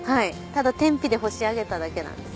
ただ天日で干し上げただけなんです。